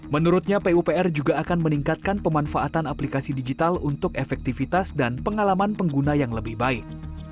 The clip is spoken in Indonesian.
menurutnya pupr juga akan meningkatkan pemanfaatan aplikasi digital untuk efektivitas dan pengalaman pengguna yang lebih baik